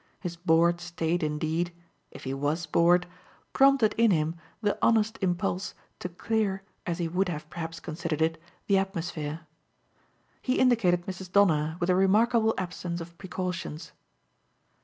His bored state indeed if he was bored prompted in him the honest impulse to clear, as he would have perhaps considered it, the atmosphere. He indicated Mrs. Donner with a remarkable absence of precautions.